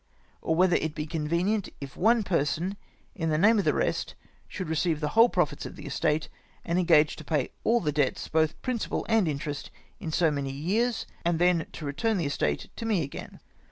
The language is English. Or whether it be convenient if one person, in the name of the rest, should receive the whole profits of the estate, and engage to pay all the debts, both principal and interest, in so many years, and then to return the estate to me again.